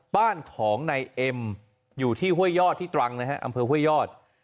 บ้านของนายเอ็มอยู่ที่ห้วยยอดที่ตรังนะฮะอำเภอห้วยยอด